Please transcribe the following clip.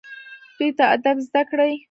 دوی ته ادب زده کړئ